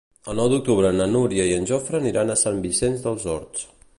El nou d'octubre na Núria i en Jofre aniran a Sant Vicenç dels Horts.